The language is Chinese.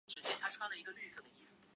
出生于广东揭西。